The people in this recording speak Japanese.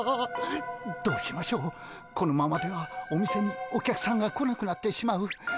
このままではお店にお客さんが来なくなってしまう。